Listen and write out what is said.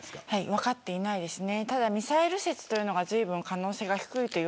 分かっていないですね。